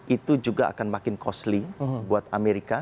itu juga akan makin costly buat amerika